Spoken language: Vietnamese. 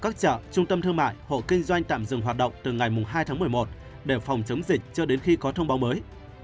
các chợ trung tâm thương mại hộ kinh doanh tạm dừng hoạt động từ ngày hai tháng một mươi một để phòng chống dịch cho đến khi có thông báo mới